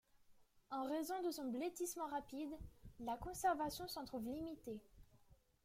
En raison de son blettissement rapide, la conservation s'en trouve limitée.